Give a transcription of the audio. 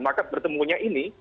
maka pertemunya ini